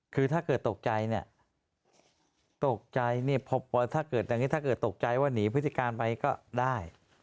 คือถ้าเกิดตกใจเนี่ยถ้าเกิดตกใจว่านีพฤติการไปก็ได้